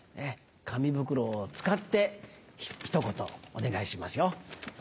紙袋を使ってひと言お願いしますよ。